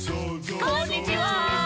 「こんにちは」